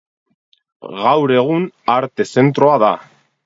Gaur egun Arte Zentroa da.